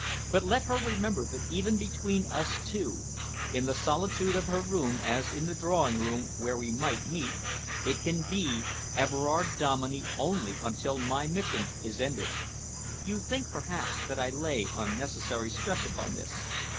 But let her remember that even between us two, in the solitude of her room as in the drawing room where we might meet, it can be Everard Dominey only until my mission is ended. You think, perhaps, that I lay unnecessary stress upon this.